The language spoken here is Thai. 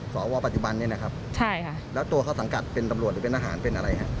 ปัจจุบันนี้นะครับแล้วตัวเขาสังกัดเป็นตำรวจหรือเป็นอาหารเป็นอะไรฮะ